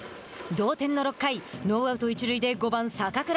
同点の６回ノーアウト、一塁で、５番坂倉。